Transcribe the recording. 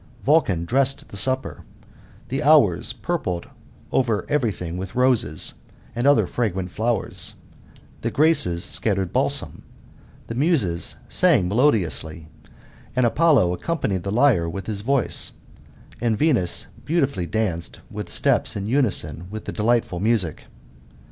Vulcan dressed the supper ; the Hours purpled over everything with roses, and other fragrant flowers; the Graces scattered balsam ; the Muses sang melodiously ; Apollo accompanied the lyre with his voice; and Venus beautifully danced with st*eps in unison with the delightful music.